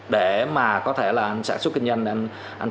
để mà có thể là sản xuất kinh doanh